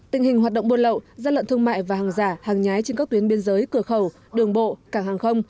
tình hình hoạt động buôn lậu gian lận thương mại và hàng giả hàng nhái trên các tuyến biên giới cửa khẩu đường bộ cảng hàng không